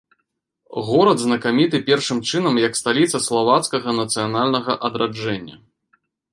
Горад знакаміты першым чынам як сталіца славацкага нацыянальнага адраджэння.